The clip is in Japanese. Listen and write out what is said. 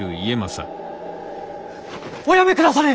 おやめくだされ！